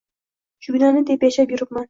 Shuginani deb yashab yuribman